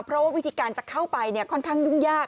เพราะว่าวิธีการจะเข้าไปค่อนข้างยุ่งยาก